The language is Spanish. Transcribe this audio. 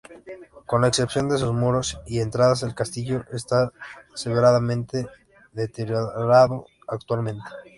Con excepción de sus muros y entradas, el castillo está severamente deteriorado actualmente.